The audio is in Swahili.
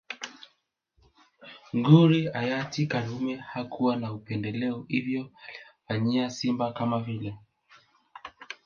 Nguri hayati karume hakuwa na upendeleo hivyo aliwafanyia simba kama vile